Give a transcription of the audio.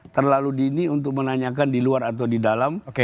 terlalu dini untuk menanyakan di luar atau di dalam